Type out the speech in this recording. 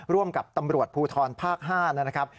ร่วมกับตำรวจภูทรภาค๕นะครับ